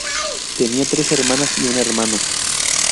Tenía tres hermanas y un hermano.